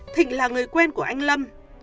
thịnh là người quen của anh lâm